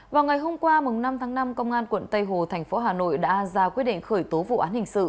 vào ngày hôm qua năm tháng năm công an quận tây hồ thành phố hà nội đã ra quyết định khởi tố vụ án hình sự